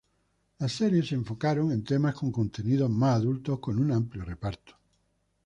Las series se enfocaron en temas con contenido más adulto con un amplio reparto.